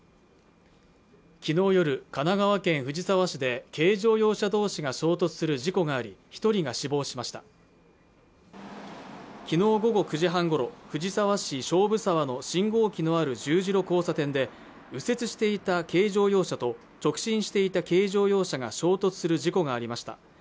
昨日夜、神奈川県藤沢市で軽乗用車同士が衝突する事故があり一人が死亡しました昨日午後９時半ごろ藤沢市菖蒲沢の信号機のある十字路交差点で右折していた軽乗用車と直進していた軽乗用車が衝突する事故がありました